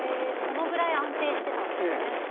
そのぐらい安定してたんですね。